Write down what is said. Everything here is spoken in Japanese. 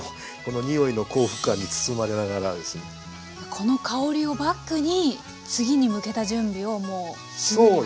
この香りをバックに次に向けた準備をもうすぐに始められる。